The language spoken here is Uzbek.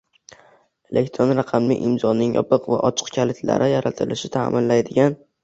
elektron raqamli imzoning yopiq va ochiq kalitlari yaratilishini ta’minlaydigan